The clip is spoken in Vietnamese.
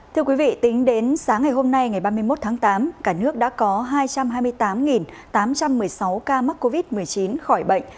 thưa quý vị tính đến sáng ngày hôm nay ngày ba mươi một tháng tám cả nước đã có hai trăm hai mươi tám tám trăm một mươi sáu ca mắc covid một mươi chín khỏi bệnh